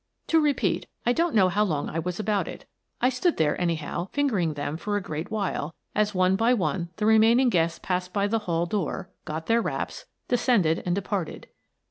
To repeat, I don't know how long I was about it. I stood there, anyhow, fingering them for a great while, as, one by one, the remaining guests passed by the hall door, got their wraps, descended and departed.